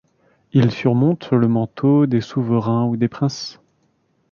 Il surmonte le manteau des souverains ou des princes.